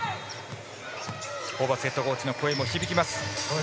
ホーバスコーチの声も響きます。